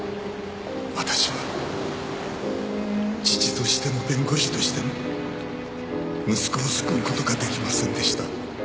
私は父としても弁護士としても息子を救う事が出来ませんでした。